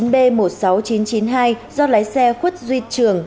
hai mươi chín b một mươi sáu nghìn chín trăm chín mươi hai do lái xe khuất duy trường